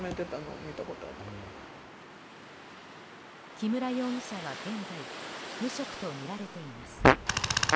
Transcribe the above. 木村容疑者は現在、無職とみられています。